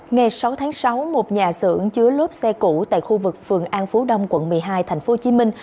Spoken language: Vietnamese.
ngày sáu tháng sáu một nhà xưởng chứa lốp xe cũ tại khu vực phường an phú đông quận một mươi hai tp hcm